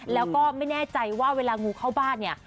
แล้วก็ไม่แน่ใจว่าเวลางูเข้าบ้านเนี่ย